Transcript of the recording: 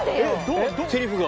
セリフが？